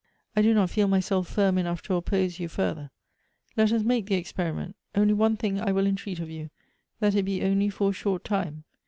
I do not feel myself firm enough to oppose you further. Let us make the experiment ; only one thing I will entreat of you — that it be only for a short time.